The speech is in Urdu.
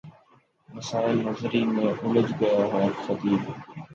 مسائل نظری میں الجھ گیا ہے خطیب